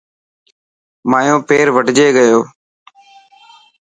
مايو پير وڍجي گيو.